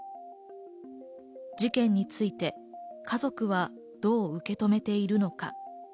事件について家族はどう受け止めているのか。